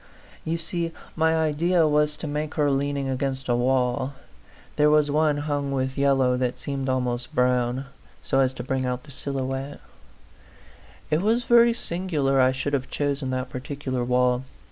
You see my idea was to make her leaning against a wall there was one hung with yellow that seemed almost brown so as to bring out the silhouette. A PHANTOM LOVER. . 5 It was very singular I should have chosen that particular wall.